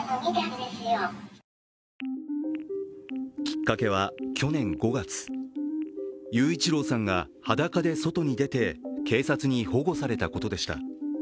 きっかけは去年５月、雄一郎さんが裸で外に出て警察に保護されたことでした。